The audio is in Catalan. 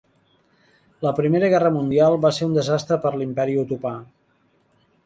La Primera Guerra Mundial va ser un desastre per l'Imperi Otomà.